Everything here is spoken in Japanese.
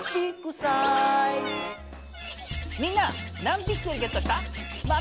みんな何ピクセルゲットした？